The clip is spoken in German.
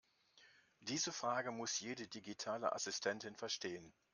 Diese Frage muss jede digitale Assistentin verstehen.